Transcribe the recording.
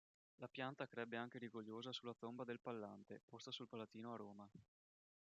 La pianta crebbe anche rigogliosa sulla tomba del Pallante posta sul Palatino a Roma.